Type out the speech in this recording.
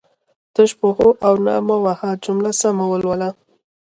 تش په هو او نه مه وهه جمله سمه لوله